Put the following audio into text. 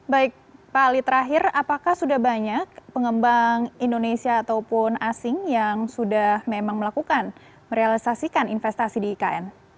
baik pak ali terakhir apakah sudah banyak pengembang indonesia ataupun asing yang sudah memang melakukan merealisasikan investasi di ikn